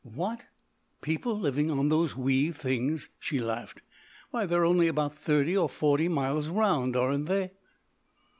"What, people living on those wee things!" she laughed. "Why they're only about thirty or forty miles round, aren't they?"